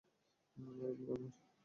আরে, বোন আমার!